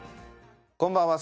こんばんは。